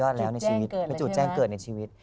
เป็นจุดแจ้งเกิดเลยนะ